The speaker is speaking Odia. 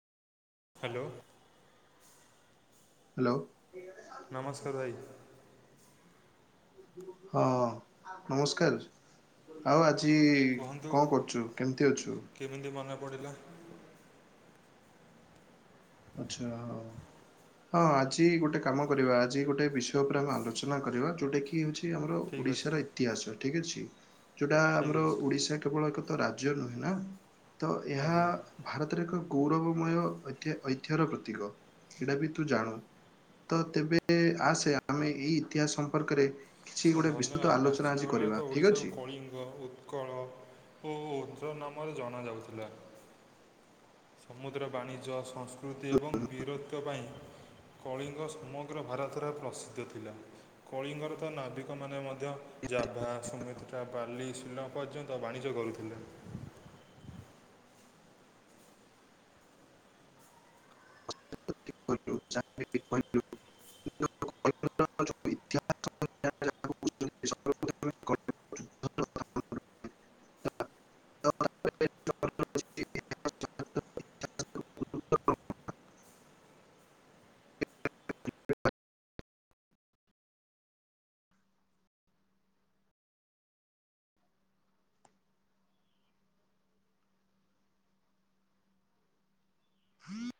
ହ୍ୟାଲୋ। ହ୍ୟାଲୋ। ନମସ୍କାର ଭାଇ। ହଁ ନମସ୍କାର। ଆଉ ଆଜି କୁହନ୍ତୁ କଣ କରୁଛୁ? କେମିତି ଅଛୁ? କେମିତି ମନେ ପଡ଼ିଲା? ଆଚ୍ଛା। ହଁ ଆଜି ଗୋଟେ କାମ କରିବା ଆଜି ଗୋଟେ ବିଷୟ ଉପରେ ଆମେ ଆଲୋଚନା କରିବା ଯୋଉଟା କି ହଉଛି ଆମର ଠିକ୍ ଅଛି ଓଡିଶାର ଇତିହାସ ଠିକ ଅଛି ଯୋଉଟା ଠିକ୍ ଆମର ଅଛି ଓଡିଶା କେବଳ ଏକ ତ ରାଜ୍ୟ ନୁହେଁ ନା ତ ଏହା ଆଜ୍ଞା ଭାରତରେ ଏକ ଗୌରବମୟ ଐତି ଐ ଐତିହର ପ୍ରତୀକ ଏଇଟା ବି ତୁ ଜାଣୁ। ତ ତେବେ ଆସେ ଆମେ ଏଇ ଇତିହାସ ସମ୍ପର୍କରେ କିଛି ସାର୍ ଗୋଟେ ବିସ୍ତୃତ ଧନ୍ୟବାଦ ଆଲୋଚନା ପ୍ରାଚୀନ ଆଜି କାଳରେ କରିବା ତ ଠିକ୍ ଓଡ଼ିଶାକୁ ଅଛି। କଳିଙ୍ଗ, ଉ ଉତ୍କଳ ଓ ଓଦ୍ର ନାମରେ ଜଣାଯାଉଥିଲା। ସମୁଦ୍ର ବାଣିଜ୍ୟ, ସଂସ୍କୃତି ଏବଂ ବୀରତ୍ଵ ପାଇଁ କଳିଙ୍ଗ ସମଗ୍ର ଭାରତରେ ପ୍ରସିଦ୍ଧ ଥିଲା କଳିଙ୍ଗର ତ ନାବିକମାନେ ମଧ୍ୟ ମଧ୍ୟ Java, Sumatra, Bali, Sri Lanka ପର୍ଯ୍ୟନ୍ତ ବାଣିଜ୍ୟ କରୁଥିଲେ। [unintelligible] କଳିଙ୍ଗର ଯୋଉ ଇତିହାସ ଯାହାକୁ କହୁଛନ୍ତି ସର୍ବପ୍ରଥମେ କଳିଙ୍ଗ ଯୁଦ୍ଧର କଥା ମନେ ରଖିବା। ତାପରେ [inaudible]